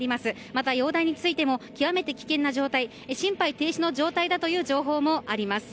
また、容体についても極めて危険な状態心肺停止の状態だという情報もあります。